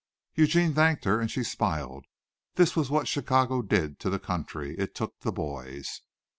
Eugene thanked her, and she smiled. This was what Chicago did to the country. It took the boys.